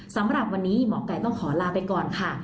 สำหรับวันนี้หมอไก่ต้องขอลาไปก่อนค่ะ